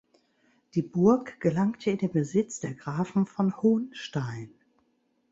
Die Burg gelangte in den Besitz der Grafen von Hohnstein.